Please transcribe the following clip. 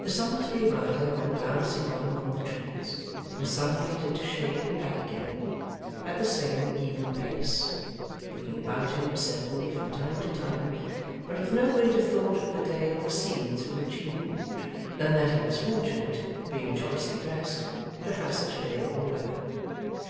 The solitary rider went glancing on among the trees, from sunlight into shade and back again, at the same even pace looking about him, certainly, from time to time, but with no greater thought of the day or the scene through which he moved, than that he was fortunate (being choicely dressed) to have such favourable weather.